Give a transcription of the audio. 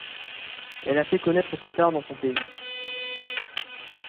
Elle a fait connaître cet art dans son pays.